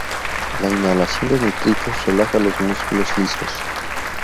La inhalación de nitritos relaja los músculos lisos.